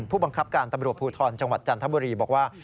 ผู้บังคับการตำรวจภูทรจังหวัดจันทบุรีบอกว่า